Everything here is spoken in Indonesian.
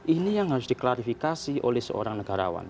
ini yang harus diklarifikasi oleh seorang negarawan